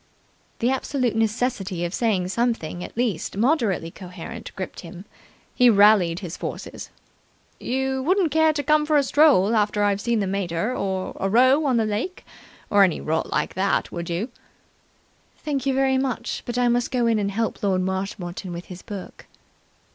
The absolute necessity of saying something at least moderately coherent gripped him. He rallied his forces. "You wouldn't care to come for a stroll, after I've seen the mater, or a row on the lake, or any rot like that, would you?" "Thank you very much, but I must go in and help Lord Marshmoreton with his book."